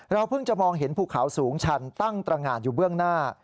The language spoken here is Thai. เพิ่งจะมองเห็นภูเขาสูงชันตั้งตรงานอยู่เบื้องหน้า